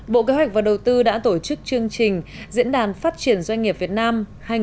bộ kế hoạch và đầu tư đã tổ chức chương trình diễn đàn phát triển doanh nghiệp việt nam hai nghìn một mươi chín